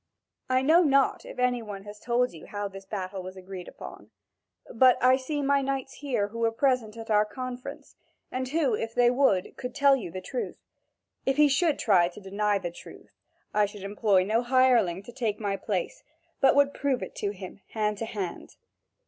I know not if any one has told you how this battle was agreed upon. But I see knights here who were present at our conference, and who, if they would, could tell you the truth. If he should try to deny the truth, I should employ no hireling to take my place, but would prove it to him hand to hand."